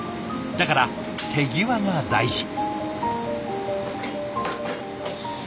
だから手際が大事。